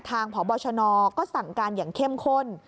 พบชนก็สั่งการอย่างเข้มข้น